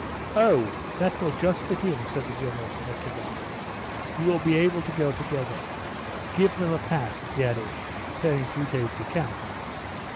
"Oh, that will just fit in," said the General to Nekhludoff. "You will be able to go together. Give them a pass," he added, turning to his aide de camp.